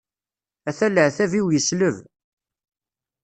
Ata leɛqel-iw yesleb.